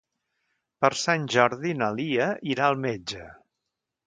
Per Sant Jordi na Lia irà al metge.